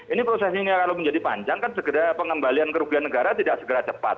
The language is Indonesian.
ini prosesnya kalau menjadi panjang kan segera pengembalian kerugian negara tidak segera cepat